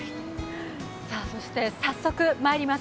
そして、早速まいります。